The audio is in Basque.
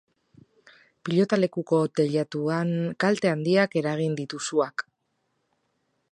Pilotalekuko teilatuan kalte handiak eragin ditu suak.